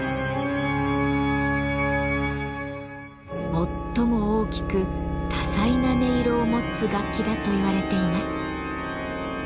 最も大きく多彩な音色を持つ楽器だと言われています。